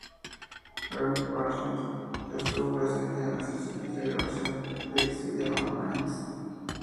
Gram Parsons estuvo presente en las sesiones de grabación de "Exile on Main St.